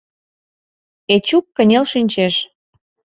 Эчук кынел шинчеш.